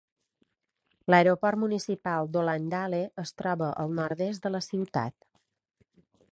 L'aeroport municipal d'Hollandale es troba al nord-est de la ciutat.